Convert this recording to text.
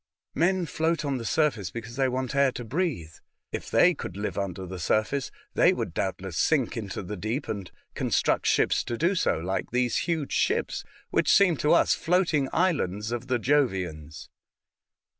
'* Men float on the surface because they want air to breathe. If they could live under the surface, they would doubtless sink into the deep, and construct ships to do so, like these huge ships, which seem to us floating islands of the Jovians."